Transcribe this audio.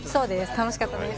楽しかったです。